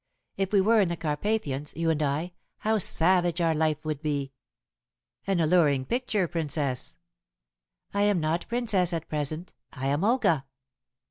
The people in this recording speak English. If we were in the Carpathians, you and I, how savage our life would be!" "An alluring picture, Princess." "I am not Princess at present. I am Olga!"